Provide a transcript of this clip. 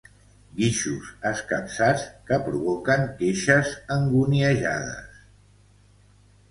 Guixos escapçats que provoquen queixes anguniejades.